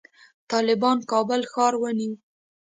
طالبانو کابل ښار ونیو